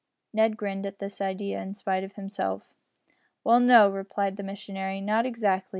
Ned grinned at this idea in spite of himself. "Well, no," replied the missionary, "not exactly.